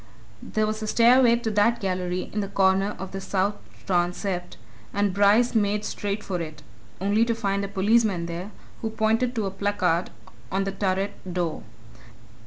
There was a stairway to that gallery in the corner of the south transept, and Bryce made straight for it only to find a policeman there, who pointed to a placard on the turret door.